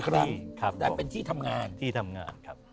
แต่เป็นที่ทำงาน